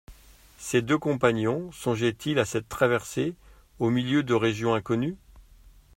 Ses deux compagnons songeaient-ils à cette traversée au milieu de régions inconnues?